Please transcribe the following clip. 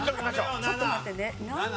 ちょっと待ってね。